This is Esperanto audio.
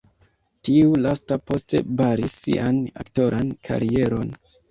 Tiu lasta poste baris sian aktoran karieron.